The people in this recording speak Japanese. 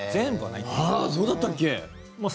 そうだったっけ？